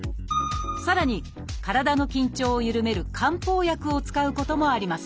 さらに体の緊張を緩める漢方薬を使うこともあります